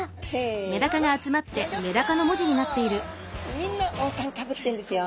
みんな王冠かぶってんですよ。